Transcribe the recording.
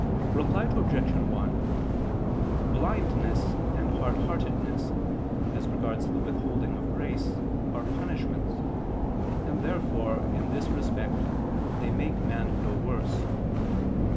Reply Obj. 1: Blindness and hardheartedness, as regards the withholding of grace, are punishments, and therefore, in this respect, they make man no worse.